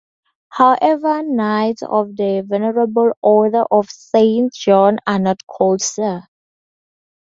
However, Knights of the Venerable Order of Saint John are not called "Sir".